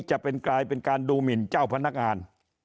จะเป็นกลายเป็นการดูหมินเจ้าพนักงาน